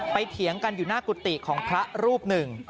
เถียงกันอยู่หน้ากุฏิของพระรูปหนึ่ง